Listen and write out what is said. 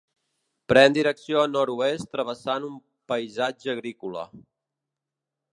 Pren direcció nord-oest travessant un paisatge agrícola.